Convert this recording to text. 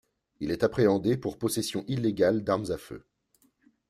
Il est appréhendé pour possession illégale d'armes à feu.